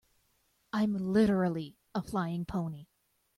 I'm literally a flying pony.